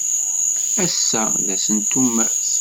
Ass-a d ass n tumert.